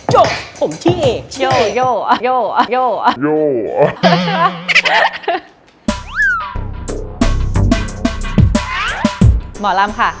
หมอลำค่ะ